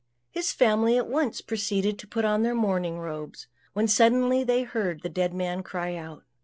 His family at once proceeded to put on their mourning robes, when suddenly they heard the dead man cry out.